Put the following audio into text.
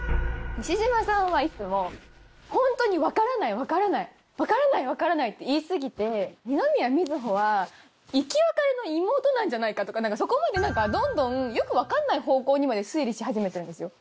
西島さんはいつもホントに分からない分からない分からない分からないって言い過ぎて。とかそこまで何かどんどんよく分かんない方向にまで推理し始めてるんですよ。